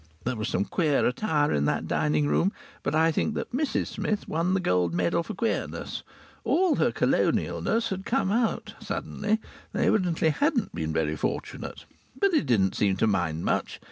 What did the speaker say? There was some queer attire in that dining room, but I think that Mrs Smith won the gold medal for queerness. All her "colonialness" had come suddenly out. They evidently hadn't been very fortunate. But they didn't seem to mind much.